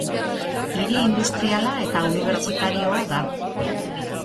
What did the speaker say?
Hiri industriala eta unibertsitarioa da.